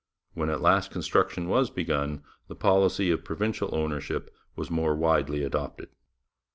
When at last construction was begun, the policy of provincial ownership was more widely adopted.